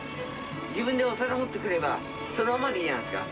自分でお皿持ってくれば、そのままでいいじゃないですか。